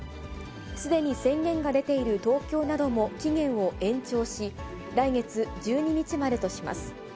すでに宣言が出ている東京なども期限を延長し、来月１２日までとします。